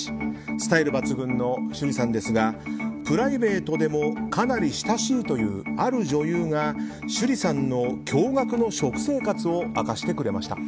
スタイル抜群の趣里さんですがプライベートでもかなり親しいというある女優が趣里さんの驚愕の食生活を明かしてくれました。